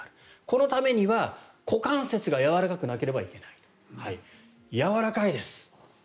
このためには股関節がやわらかくなければいけないやわらかいです。